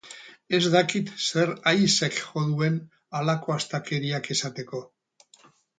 Ez dakit zer haizek jo duen, halako astakeriak esateko.